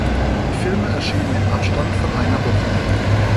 Die Filme erschien im Abstand von einer Woche.